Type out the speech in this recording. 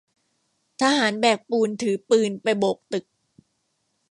ทหารแบกปูนถือปืนไปโบกตึก